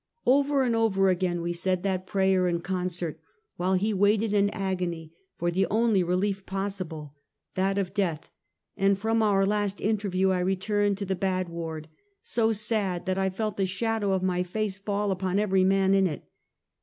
Over and over again we said that prayer in concert, while he waited in agony for the only relief possible — that of death ; and from our last interview I returned to the bad ward, so sad that I felt the shadow of my face fall upon every man in it.